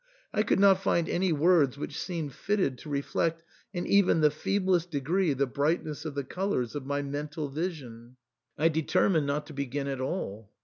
I could not find any words which seemed fitted to reflect in even the feeblest degree the brightness of 'the colours of my mental vision. I de termined not to begin at all.